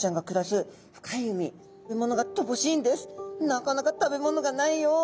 「なかなか食べ物がないよ！